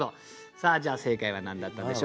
さあじゃあ正解は何だったんでしょうか。